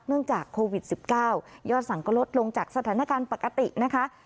จากโควิด๑๙ยอดสั่งก็ลดลงจากสถานการณ์ปกตินะคะ